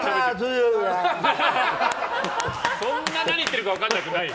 そんな何言ってるか分からなくない。